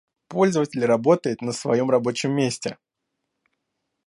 Пользователь работает на своем рабочем месте